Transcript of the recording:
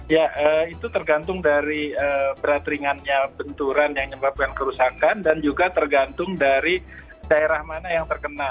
ya itu tergantung dari berat ringannya benturan yang menyebabkan kerusakan dan juga tergantung dari daerah mana yang terkena